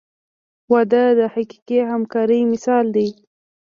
• واده د حقیقي همکارۍ مثال دی.